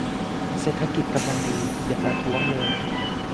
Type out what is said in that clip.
เศรษฐกิจกำลังดี อย่าประท้วงเลย